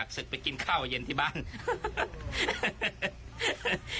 คุณผู้ชมเอ็นดูท่านอ่ะ